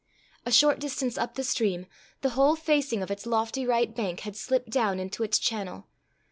A short distance up the stream, the whole facing of its lofty right bank had slipped down into its channel.